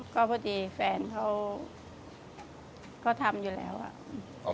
ก็พอดีแฟนเขาทำอยู่แล้ว